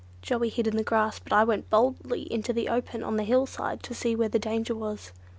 Joey hid in the grass, but I went boldly into the open on the hillside to see where the danger was.